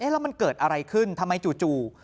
แล้วมันเกิดอะไรขึ้นทำไมจู่